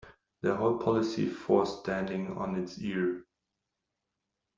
The whole police force standing on it's ear.